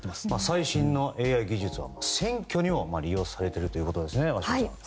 最新のＡＩ技術は選挙にも利用されているということですね鷲尾さん。